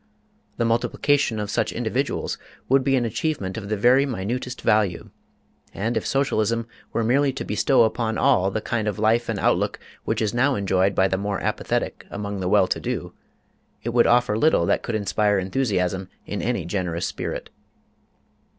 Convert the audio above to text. The multiplication of such individuals would be an achievement of the very minutest value; and if Socialism were merely to bestow upon all the kind of life and outlook which is now enjoyed by the more apathetic among the well to do, it would offer little that could inspire enthusiasm in any generous spirit.